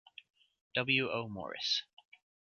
W. O. Morris.